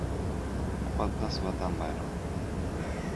Muqaddasdir Vatan bayrog‘i...